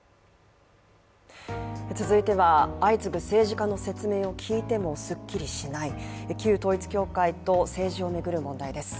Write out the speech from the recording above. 続いては相次ぐ政治家の説明を聞いてもすっきりしない、旧統一教会と政治を巡る問題です。